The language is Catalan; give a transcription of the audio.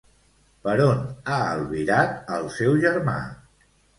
Per on ha albirat el seu germà?